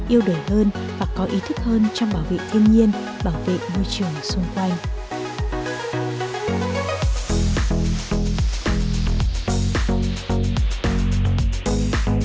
yêu đời hơn và có ý thức hơn trong bảo vệ thiên nhiên bảo vệ môi trường xung quanh